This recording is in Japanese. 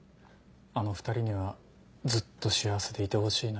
あの２人にはずっと幸せでいてほしいな。